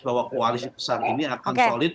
bahwa koalisi besar ini akan solid